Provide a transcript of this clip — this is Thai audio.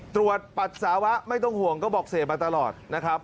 ปัสสาวะไม่ต้องห่วงก็บอกเสพมาตลอดนะครับ